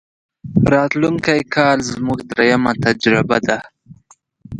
راتلونکی کال زموږ درېمه تجربه ده.